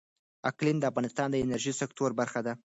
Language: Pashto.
اقلیم د افغانستان د انرژۍ سکتور برخه ده.